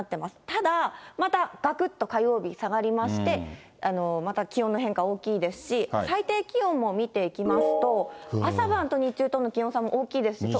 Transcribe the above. ただ、またがくっと火曜日下がりまして、また気温の変化大きいですし、最低気温も見ていきますと、朝晩と日中との気温差も大きいです。